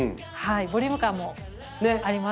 ボリューム感もあります。